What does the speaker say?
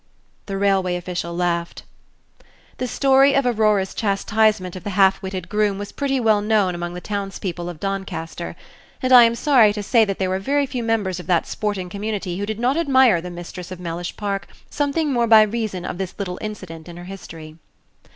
The railway official laughed. The story of Aurora's chastisement of the half witted groom was pretty well known among the towns people of Doncaster, and I am sorry to say there were very few members of that sporting community who did not admire the mistress of Mellish Park something more by reason of this little incident in her history.